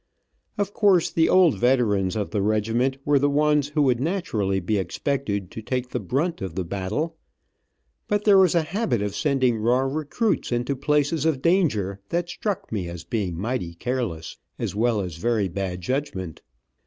Of course the old veterans of the regiment were the ones who would naturally be expected to take the brunt of the battle, but there was a habit of sending raw recruits into places of danger that struck me as being mighty careless, as well as very bad judgment.